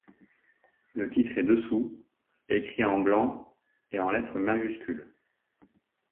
Le titre est dessous, écrit en blanc et en lettres majuscules.